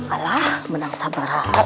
alah menang sabarahan